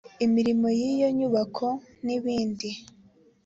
imirimo y iyo nyubako n ibindi